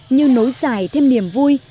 như nối dài thêm niềm vui